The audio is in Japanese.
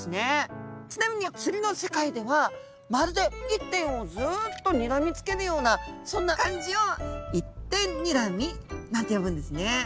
ちなみに釣りの世界ではまるで一点をずっとにらみつけるようなそんな感じを「一点にらみ」なんて呼ぶんですね。